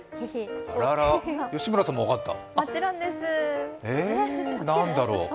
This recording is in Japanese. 吉村さんも分かった？